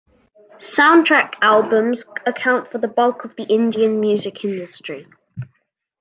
Soundtrack albums account for the bulk of the Indian music industry.